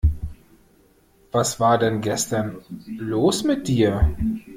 Was war denn gestern los mit dir?